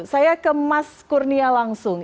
saya ke mas kurnia langsung